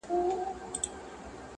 دا موږ ولي همېشه غم ته پیدا یو-